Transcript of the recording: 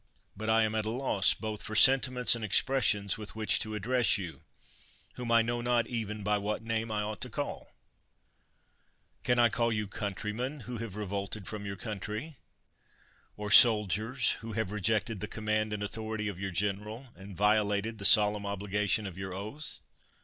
But I am at a loss both for sentiments and expressions with which to address you, whom I know not even by what name I ought to call. Can I call you countrymen, who have revolted from your country? or soldiers, who have rejected the com mand and authority of your general, and viola ted the solemn obligation of your oath?